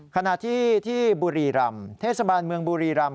ขณะที่ที่บุรีรำเทศบาลเมืองบุรีรำ